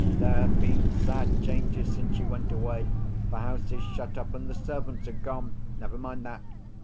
There have been sad changes, since you went away. The house is shut up, and the servants are gone. Never mind that!